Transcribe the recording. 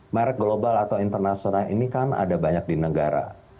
merek global atau internasional ini kan ada banyak di negara